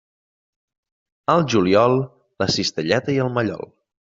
Al juliol, la cistelleta i el mallol.